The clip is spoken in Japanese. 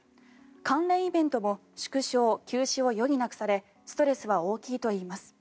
関連イベントも縮小・休止を余儀なくされストレスは大きいといいます。